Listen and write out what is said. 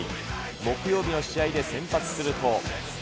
木曜日の試合で先発すると。